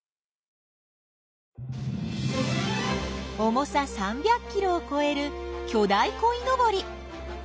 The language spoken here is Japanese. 重さ３００キロをこえる巨大こいのぼり。